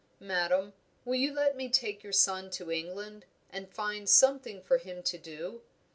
'Madame, will you let me take your son to England, and find something for him to do?'